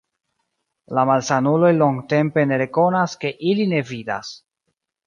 La malsanuloj longtempe ne rekonas, ke ili ne vidas.